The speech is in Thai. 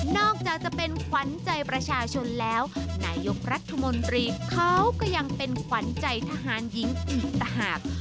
อกจากจะเป็นขวัญใจประชาชนแล้วนายกรัฐมนตรีเขาก็ยังเป็นขวัญใจทหารหญิงอีกต่างหาก